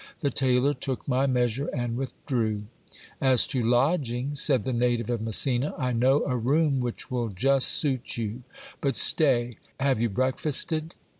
The tailor took my measure and withdrew. As to lodging, said the native of Messina, I know a room which will just suit you. But stay ! Have you breakfasted?